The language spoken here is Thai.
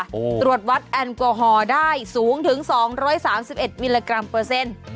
โอ้ตรวจวัดแอลกอฮอล์ได้สูงถึงสองร้อยสามสิบเอ็ดมิลลิกรัมเปอร์เซ็นต์